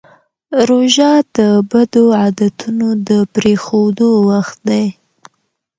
روژه د بدو عادتونو د پرېښودو وخت دی.